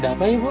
ada apa ibu